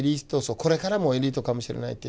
これからもエリートかもしれないっていう。